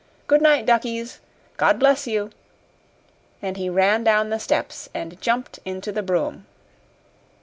Good night, duckies! God bless you!" And he ran down the steps and jumped into the brougham.